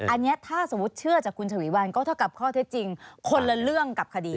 อันนี้ถ้าสมมุติเชื่อจากคุณฉวีวันก็เท่ากับข้อเท็จจริงคนละเรื่องกับคดี